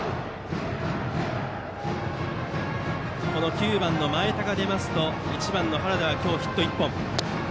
９番の前田が出ますと１番の原田は今日、ヒット１本。